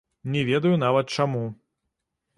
Не ведаю нават, чаму.